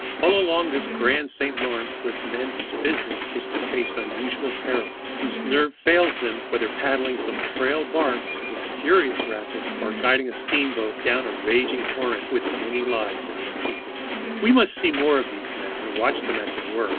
All along this grand St. Lawrence live men whose business it is to face unusual perils, whose nerve fails them not, whether paddling some frail bark through furious rapids or guiding a steamboat down a raging torrent, with many lives in their keeping. We must see more of these men, and watch them at their work.